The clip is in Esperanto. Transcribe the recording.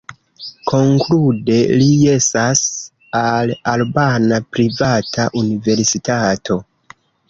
Konklude, li jesas al albana privata universitato.